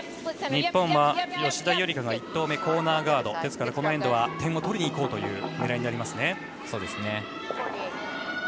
日本は吉田夕梨花が１投目コーナーガードですからこのエンドは点を取りにいく狙いになりますね。